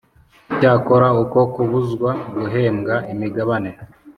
Icyakora uko kubuzwa guhembwa imigabane